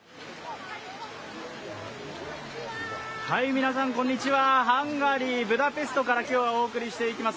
皆さん、こんにちはハンガリー・ブダペストから今日はお送りしていきます。